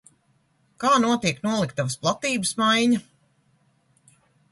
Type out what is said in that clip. Kā notiek noliktavas platības maiņa?